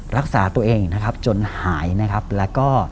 รักษาตัวเองนะครับจนหายนะครับแล้วก็